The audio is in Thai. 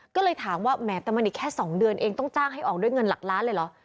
ก็เลยถามว่าแหมแต่มันอีกแค่๒เดือนเองต้องจ้างให้ออกด้วยเงินหลักล้านเลยเหรอ